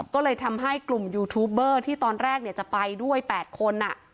ก็เลยทำให้กลุ่มยูทูบเบอร์ที่ตอนแรกจะไปด้วย๘คน